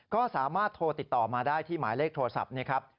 ก็สามารถโทรติดต่อมาได้ที่หมายเลขโทรศัพท์นี้ครับ